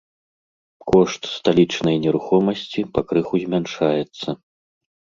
Кошт сталічнай нерухомасці пакрыху змяншаецца.